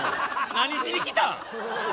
何しに来たん？